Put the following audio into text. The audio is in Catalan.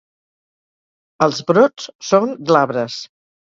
Els brots són glabres.